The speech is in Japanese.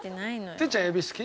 哲ちゃんエビ好き？